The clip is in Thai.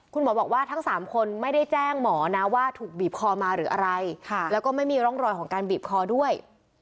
คุณหมอบอกว่าทั้ง๓คนไม่ได้แจ้งหมอนะว่าถูกบีบคอมาหรืออะไรแล้วก็ไม่มีร่องรอยของการบีบคอด้วย